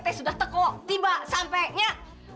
teh sudah tekok tiba sampe nyet